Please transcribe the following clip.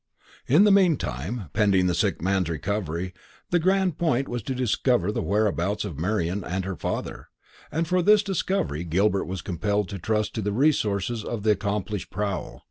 In the meantime, pending the sick man's recovery, the grand point was to discover the whereabouts of Marian and her father; and for this discovery Gilbert was compelled to trust to the resources of the accomplished Proul.